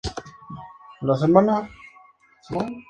En lo relativo a la obra legislativa del Gral.